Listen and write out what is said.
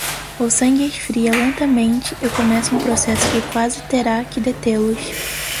O sangue esfria lentamente e começa um processo que quase terá que detê-los.